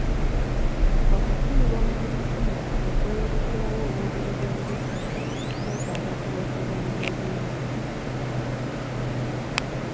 Okufiirwa mu by'enfuna okweyolekerawo olw'obuli bw'enguzi kwetaaga okuloopebwa mu b'obuyinza.